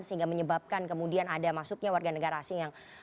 sehingga menyebabkan kemudian ada masuknya warga negara asing yang